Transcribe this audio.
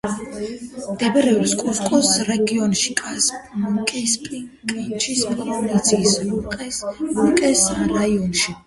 მდებარეობს კუსკოს რეგიონში, კისპიკანჩის პროვინციის ლუკრეს რაიონში.